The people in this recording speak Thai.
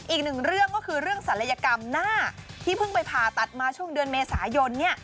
อีกหนึ่งเรื่องก็คือเรื่องศัลยกรรมหน้าที่เพิ่งไปผ่าตัดมาช่วงเดือนเมษายน